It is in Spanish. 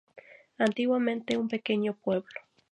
Antiguamente un pequeño pueblo.